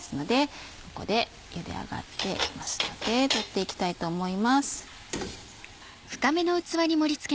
ここでゆで上がっていますので取っていきたいと思います。